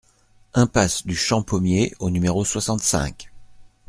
Impasse du Champ Pommier au numéro soixante-cinq